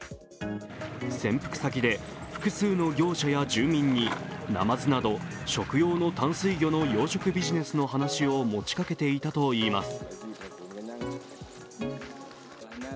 潜伏先で複数の業者や住民に、なまずなど食用の淡水魚の養殖ビジネスの話を持ちかけていたといいます。